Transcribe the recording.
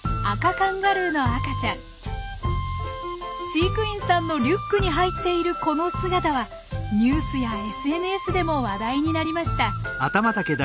飼育員さんのリュックに入っているこの姿はニュースやＳＮＳでも話題になりました。